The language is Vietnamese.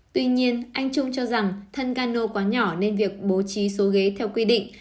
tuy nhiên anh trung cho rằng thân gano quá nhỏ nên việc bố trí số ghế theo quy định